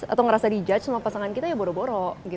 atau ngerasa di judge sama pasangan kita ya boro boro gitu